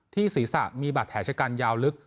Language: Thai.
ศีรษะมีบาดแผลชะกันยาวลึก